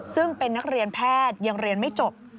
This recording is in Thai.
ซึ่งเป็นนักเรียนแพทย์ยังเรียนไม่จบ